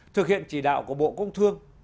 thực hiện chỉ đạo của bộ công thương